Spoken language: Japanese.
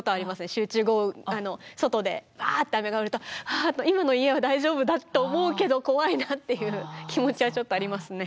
集中豪雨外でバッて雨が降るとあっ今の家は大丈夫だと思うけど怖いなっていう気持ちはちょっとありますね。